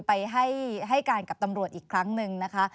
ไปให้การกับตำรวจอีกครั้งหนึ่งนะคะ